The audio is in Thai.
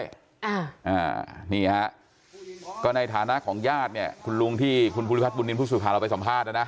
อ่าอ่านี่ฮะก็ในฐานะของญาติเนี่ยคุณลุงที่คุณภูริพัฒนบุญนินทผู้สื่อข่าวเราไปสัมภาษณ์นะนะ